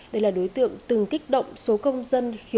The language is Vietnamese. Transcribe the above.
đây là đối tượng từng kích động số công